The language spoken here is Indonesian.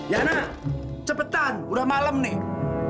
yana cepetan udah malam nih